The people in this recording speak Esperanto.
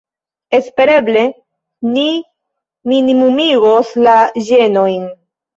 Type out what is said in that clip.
Espereble ni minimumigos la ĝenojn.